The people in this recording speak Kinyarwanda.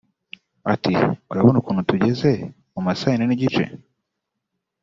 Ati” urabona nk’ubu tugeze mu ma saa ine n’igice